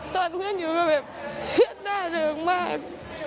ตอนเพื่อนอยู่ก็แบบเครียดหน้าเริงมาก